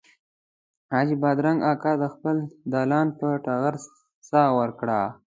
حاجي بادرنګ اکا د خپل دالان پر ټغر ساه ورکړه.